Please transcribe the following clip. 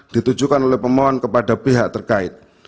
ditujukan oleh pemohon kepada pihak terkait